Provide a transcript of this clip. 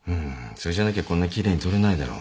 それじゃなきゃこんな奇麗に撮れないだろ。